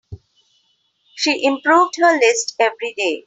She improved her list every day.